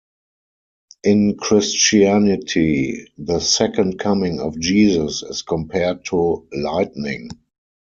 In Christianity, the Second Coming of Jesus is compared to lightning.